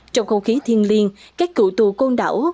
trong không khí thiên liên các cựu tù côn đảo